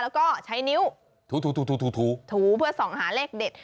แล้วก็ใช้นิ้วถูถูเพื่อส่องหาเลขเด็ด